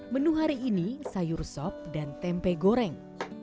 menu hari ini sayur sop dan tempe goreng